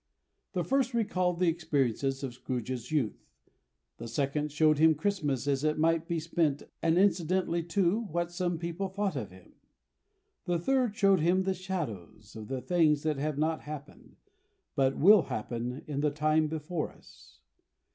The first recalled the experiences of Scrooge's youth, the second showed him Christmas as it might be spent and incidentally, too, what some people thought of him. The third showed him the "shadows of the things that have not happened, but will happen in the time before us."